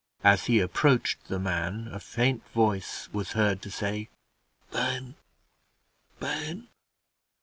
As he approached the man, a faint voice was heard to say "Ben, Ben!